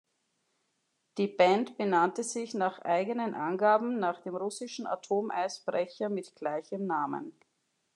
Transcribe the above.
Die Band benannte sich nach eigenen Angaben nach dem russischen Atom-Eisbrecher mit gleichem Namen.